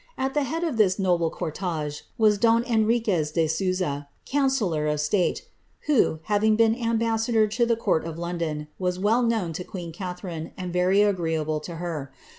At 9 head of this noble cortege was don Henriquez de Sousa, councillor state, who, having been ambassador to the court of London, was well own to queen Catharine, and very agreeable to her.